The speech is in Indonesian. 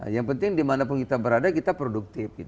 yang penting dimanapun kita berada kita produktif